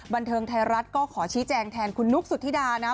บันเทิงไทยรัฐก็ขอชี้แจงแทนคุณนุ๊กสุธิดานะ